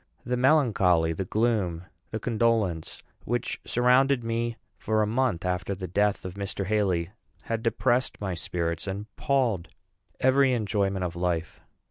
The melancholy, the gloom, the condolence which surrounded me for a month after the death of Mr. Haly had depressed my spirits, and palled every enjoyment of life.